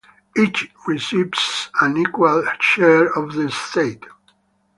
Each receives an equal share of the estate.